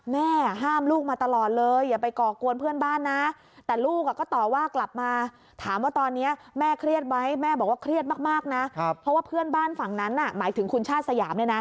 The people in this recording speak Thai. แม่ห้ามลูกมาตลอดเลยอย่าไปก่อกวนเพื่อนบ้านนะ